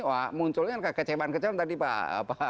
wah munculnya kekecewaan kecewaan tadi pak